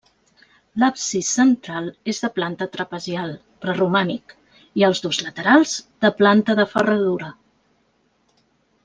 L'absis central és de planta trapezial, preromànic, i els dos laterals, de planta de ferradura.